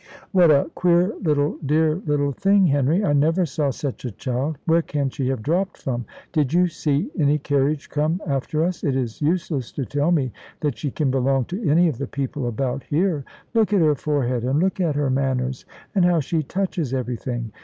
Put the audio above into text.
"What a queer little, dear little thing, Henry! I never saw such a child. Where can she have dropped from? Did you see any carriage come after us? It is useless to tell me that she can belong to any of the people about here. Look at her forehead, and look at her manners, and how she touches everything!